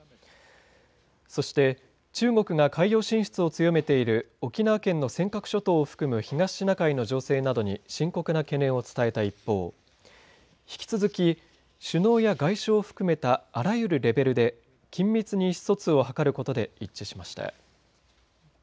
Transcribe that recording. そして、中国が海洋進出を強めている沖縄県の尖閣諸島を含む東シナ海の情勢などに深刻な懸念を伝えた一方引き続き、首脳や外相を含めたあらゆるレベルで緊密に意思疎通を図ることで一致しました。